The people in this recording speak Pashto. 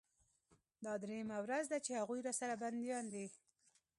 دا درېيمه ورځ ده چې هغوى راسره بنديان دي.